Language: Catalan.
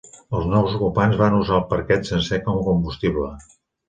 Els nous ocupants van usar el parquet sencer com a combustible.